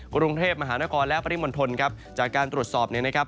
กรุงเทพมหานครและปริมณฑลครับจากการตรวจสอบเนี่ยนะครับ